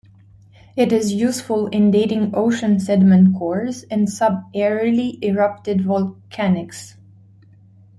It is useful in dating ocean sediment cores and subaerially erupted volcanics.